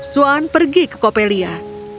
swan pergi ke coppelia